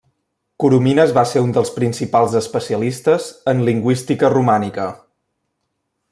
Coromines va ser un dels principals especialistes en lingüística romànica.